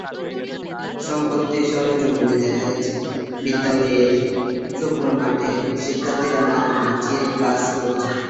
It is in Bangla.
সম্প্রতি সরেজমিনে দেখা গেছে, বিদ্যালয়ের শুকনো মাঠে শিক্ষার্থীরা মাদুর বিছিয়ে ক্লাস করছে।